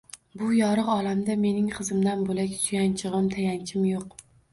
Bu yorug` olamda mening qizimdan bo`lak suyanchig`im, tayanchim yo`q